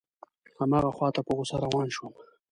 هماغه خواته په غوسه روان شوم.